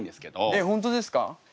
えっ本当ですか？